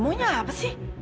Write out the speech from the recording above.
mau nyapa sih